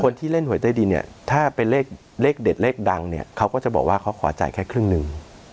ที่เล่นหวยใต้ดินเนี่ยถ้าเป็นเลขเด็ดเลขดังเนี่ยเขาก็จะบอกว่าเขาขอจ่ายแค่ครึ่งหนึ่ง